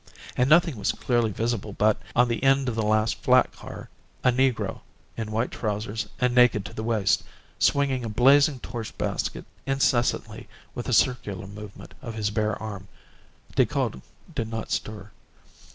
And nothing was clearly visible but, on the end of the last flat car, a negro, in white trousers and naked to the waist, swinging a blazing torch basket incessantly with a circular movement of his bare arm. Decoud did not stir.